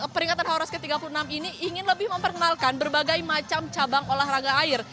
peringatan haros ke tiga puluh enam ini ingin lebih memperkenalkan berbagai macam cabang olahraga air